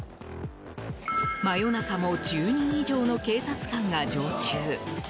真夜中も１０人以上の警察官が常駐。